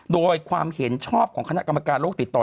โดยความเห็นชอบของคณะกรรมการโลกติดต่อ